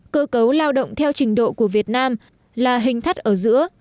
cơ cấu lao động theo trình độ của việt nam là hình thắt ở giữa